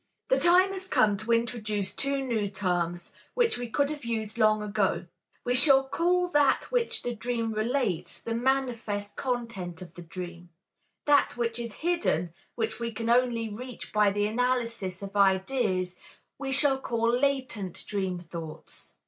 The time has come to introduce two new terms, which we could have used long ago. We shall call that which the dream relates, the manifest content of the dream; that which is hidden, which we can only reach by the analysis of ideas we shall call latent dream thoughts.